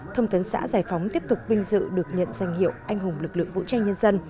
thông tấn xã giải phóng tiếp tục vinh dự được nhận danh hiệu anh hùng lực lượng vũ trang nhân dân